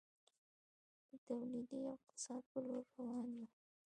د تولیدي اقتصاد په لور روان یو؟